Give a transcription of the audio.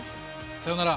さよなら。